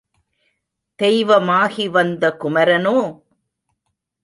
தெய்வமாகி வந்த குமரனோ?